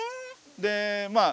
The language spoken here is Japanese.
でまあ